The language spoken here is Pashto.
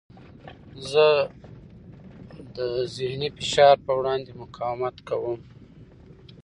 زه د ذهني فشار په وړاندې مقاومت کوم.